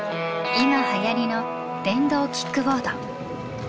今はやりの電動キックボード。